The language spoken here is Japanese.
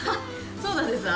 そうなんですよ。